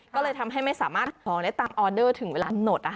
ก็เลยทำให้ไม่สามารถหอมได้ตามออเดอร์ถึงเวลาหนด